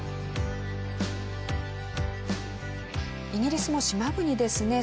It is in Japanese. イギリスも島国ですね。